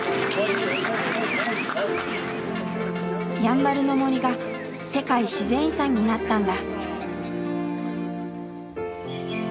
やんばるの森が世界自然遺産になったんだ。